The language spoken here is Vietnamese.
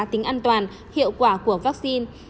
tính an toàn hiệu quả của vaccine